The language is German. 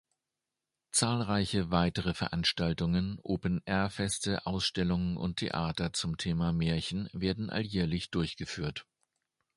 Zahlreiche weitere Veranstaltungen, Open-Air-Feste, Ausstellungen und Theater zum Thema Märchen werden alljährlich durchgeführt.